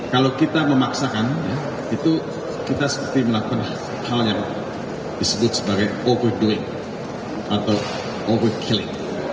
kalau kita memaksakan itu kita seperti melakukan hal yang disebut sebagai overdoy atau over calling